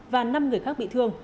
và năm người khác bị thương